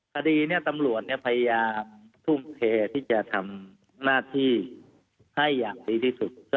ความกลงใจปลอดภัยจารย์พยายามทุ่มเทที่จะทำหน้าที่ให้อย่างดีที่สุด